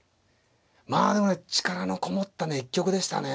まあでもね力のこもったね一局でしたね。